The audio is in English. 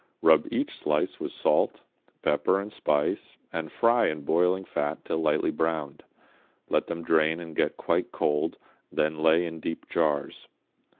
Rub each slice with salt, pepper and spice, and fry in boiling fat till lightly browned. Let them drain and get quite cold, then lay in deep jars.